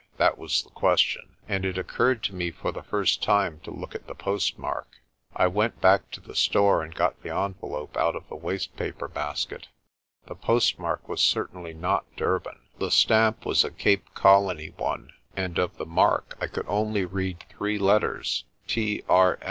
that was the question 5 and it occurred to me for the first time to look at the postmark. I went back to the store and got the envelope out of the waste paper basket. The postmark was certainly not Durban. The stamp was a Cape Colony one, and of the mark I could only read three letters, T.R.